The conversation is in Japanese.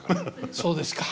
そうですか。